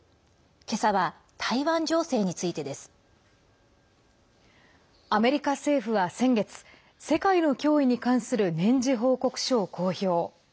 今朝は台湾情勢についてです。アメリカ政府は先月世界の脅威に関する年次報告書を公表。